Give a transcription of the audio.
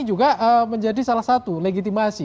juga menjadi salah satu legitimasi